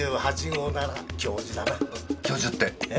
教授って？